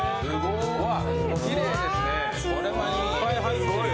いっぱい入ってる。